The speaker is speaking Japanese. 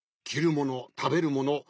きるものたべるもの